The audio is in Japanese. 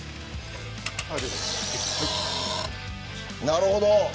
なるほど。